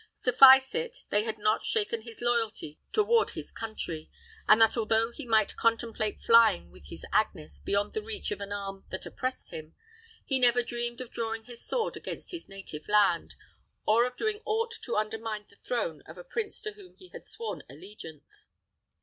Suffice it, they had not shaken his loyalty toward his country, and that although he might contemplate flying with his Agnes beyond the reach of an arm that oppressed him, he never dreamed of drawing his sword against his native land, or of doing aught to undermine the throne of a prince to whom he had sworn allegiance.